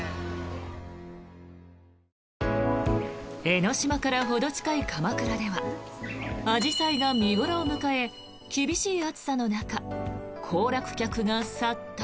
江の島からほど近い鎌倉ではアジサイが見頃を迎え厳しい暑さの中行楽客が殺到。